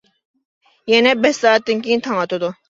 يەنە بەش سائەتتىن كېيىن تاڭ ئاتىدۇ.